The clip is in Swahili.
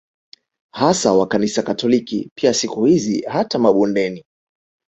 Hasa wa kanisa katoliki pia Siku hizi hata mabondeni